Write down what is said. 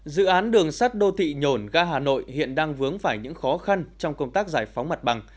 dự án đường sắt đô thị nhổn ga hà nội hiện đang vướng phải những khó khăn trong công tác giải phóng mặt bằng